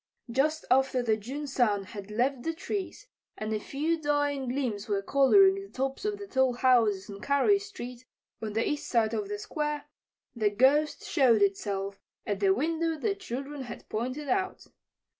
Just after the June sun had left the trees and a few dying gleams were coloring the tops of the tall houses on Carey street, on the east side of the Square, the Ghost showed itself at the window the children had pointed out.